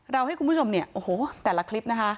ให้คุณผู้ชมเนี่ยโอ้โหแต่ละคลิปนะคะ